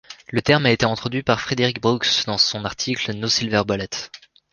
Le terme a été introduit par Frederick Brooks dans son article No Silver Bullet.